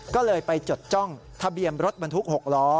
ก็เลยไปจดจ้องทะเบียนรถบรรทุก๖ล้อ